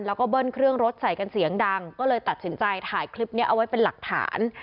แล้วก็เบิ้ลเครื่องรถใส่กันเสียงดังก็เลยตัดสินใจถ่ายคลิปนี้เอาไว้เป็นหลักฐาน